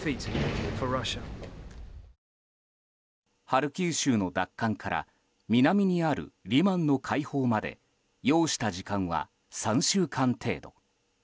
ハルキウ州の奪還から南にあるリマンの解放まで要した時間は３週間程度。